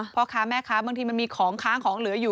พ่อค้าแม่ค้าบางทีมันมีของค้างของเหลืออยู่